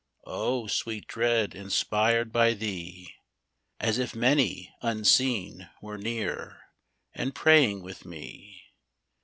Oh, sweet dread inspired by Thee ! As if many, unseen, were near, And praying with me.